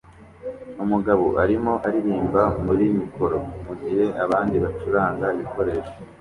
Umugabo arimo aririmba muri mikoro mugihe abandi bacuranga ibikoresho